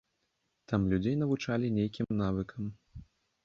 Там людзей навучалі нейкім навыкам.